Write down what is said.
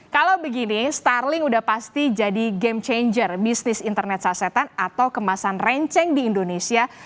kalau begini starling udah pasti jadi game changer bisnis internet sasetan atau kemasan renceng di indonesia